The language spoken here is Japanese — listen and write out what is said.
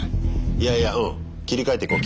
いやいやうん切り替えていこう